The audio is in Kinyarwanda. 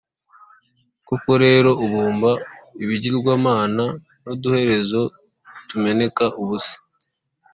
Koko rero, ubumba ibigirwamana n’uduherezo tumeneka ubusa,